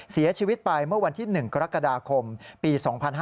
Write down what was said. เสียชีวิตไปเมื่อวันที่๑กรกฎาคมปี๒๕๕๙